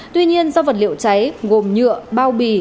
tuy nhiên do vật liệu cháy gồm nhựa bao bì